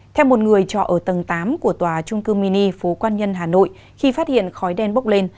theo một người trọ ở tầng tám của tòa trung cư mini phố quan nhân hà nội khi phát hiện khói đen bốc lên